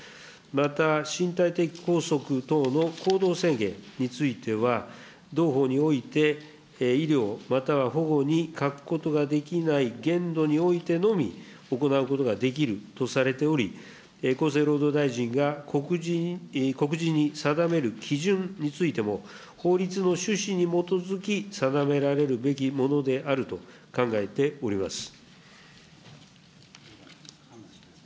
また身体的拘束等の行動制限については、同法において、医療、または保護に欠くことができない限度においてのみ、行うことができるとされており、厚生労働大臣が告示に定める基準についても、法律の趣旨に基づき、定められるべきものであると考えております。